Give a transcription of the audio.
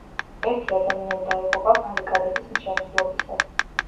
ერთი ადამიანი დაიღუპა ბარიკადების მშენებლობისას.